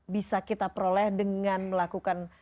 bisa kita peroleh dengan melakukan